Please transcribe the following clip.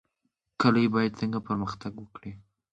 کلي باید څنګه پرمختګ وکړي؟